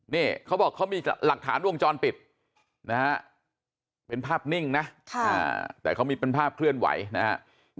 นี่เขาบอกเขามีหลักฐานวงจรปิดนะฮะเป็นภาพนิ่งนะแต่เขามีเป็นภาพเคลื่อนไหวนะครับ